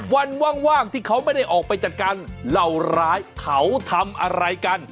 ว่างที่เขาไม่ได้ออกไปจัดการเหล่าร้ายเขาทำอะไรกัน